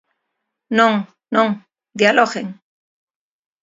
Non, non, dialoguen.